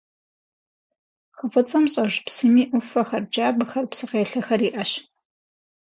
Хы Фӏыцӏэм щӏэж псыми ӏуфэхэр, джабэхэр, псы къелъэхэр иӏэщ.